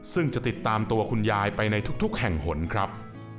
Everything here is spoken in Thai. ซึ่งจะติดตามตัวคุณยายไปในทุกแห่งหนครับ